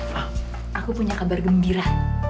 wow aku punya kabar gembira